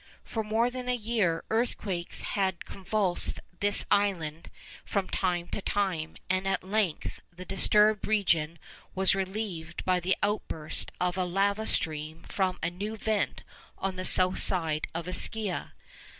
For more than a year earthquakes had convulsed this island from time to time, and at length the disturbed region was relieved by the outburst of a lava stream from a new vent on the south east of Ischia.